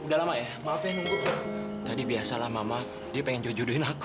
udah lama ya maaf ya nunggu tadi biasalah mama dia pengen judul aku